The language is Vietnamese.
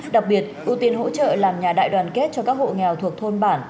đặc biệt ưu tiên hỗ trợ làm nhà đại đoàn kết cho các hộ nghèo thuộc thôn bản